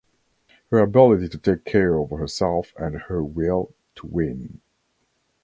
Her ability to take care of herself and her will to win.